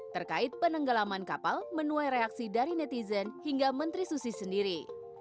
terkait penenggelaman kapal menu reaksi dari netizen hingga menteri susi sendiri